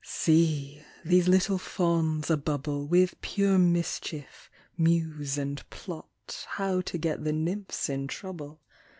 See 1 these little fauns, a bubble With pure mischief, muse and plot How to get the nymphs in trouble.